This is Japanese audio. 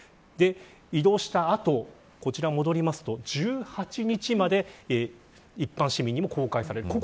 移動した後、こちら戻りますと１８日まで一般市民に公開されます。